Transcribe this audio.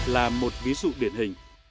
là một ví dụ điển hình